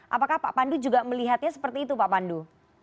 apakah pak pandu juga melihatnya seperti itu pak pandu